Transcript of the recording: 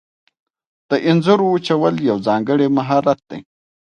د انځرو وچول یو ځانګړی مهارت دی.